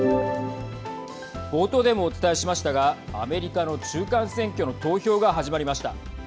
冒頭でもお伝えしましたがアメリカの中間選挙の投票が始まりました。